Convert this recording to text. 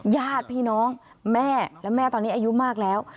ญาติพี่น้องแม่และแม่ตอนนี้อายุมากแล้ว